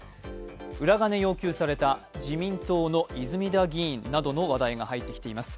裏金を要求された、自民党の泉田議員などの話題が入ってきています。